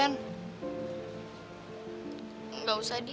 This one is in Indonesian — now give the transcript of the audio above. aku bisa jelasin semuanya kenapa aku telat kemarin